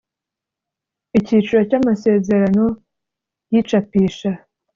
Icyiciro cya Amasezerano y’icapisha.